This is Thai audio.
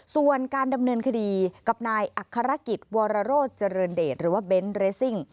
ส่วนการดำเนินคดีกับนายอัครกิจวรโรธเจริญเดชหรือว่าเบนท์เรซิ่ง